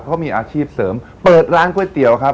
เขามีอาชีพเสริมเปิดร้านก๋วยเตี๋ยวครับ